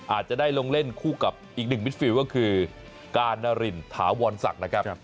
อาจจะได้ลงเล่นคู่กับอีกหนึ่งมิดฟิลก็คือการนารินถาวรศักดิ์นะครับ